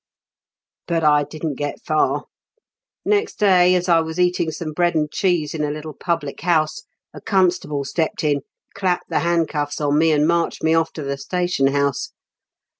"But I didn't get far. Next day, as I was eating some bread and cheese in a little public house, a constable stepped in, clapped the handcuffs on me, and marched me off to the station house.